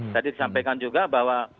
jadi disampaikan juga bahwa